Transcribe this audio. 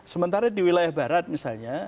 sementara di wilayah barat misalnya